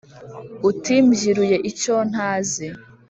Uti: mbyiruye icyontazi.